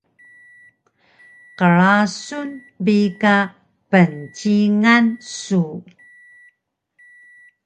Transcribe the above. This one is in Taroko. Qrasun bi ka pncingan su!